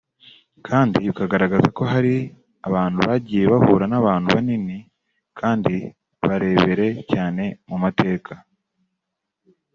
kandi bikagaragaza ko hari abantu bagiye bahura n’abantu banini kandi barebere cyane mu mateka